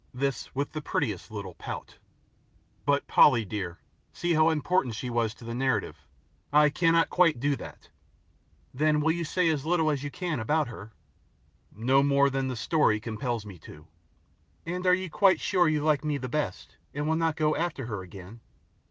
This with the prettiest little pout. "But, Polly dear, see how important she was to the narrative. I cannot quite do that." "Then you will say as little as you can about her?" "No more than the story compels me to." "And you are quite sure you like me much the best, and will not go after her again?"